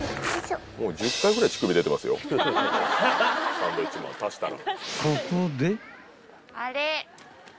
サンドウィッチマン足したら。